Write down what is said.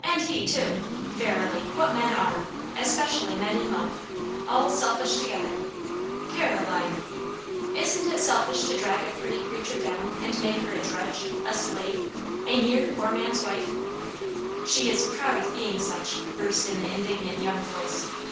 "And he, too! Verily, what men are! Especially men in love. All selfish together." "Caroline!" "Isn't it selfish to drag a pretty creature down, and make her a drudge, a slave a mere poor man's wife?" "She is proud of being such!" burst in the indignant young voice.